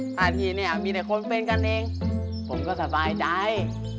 ท่าทีเนี่ยมีแต่คนเป็นกันเองผมก็สบายใจ